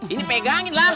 ini pegangin lah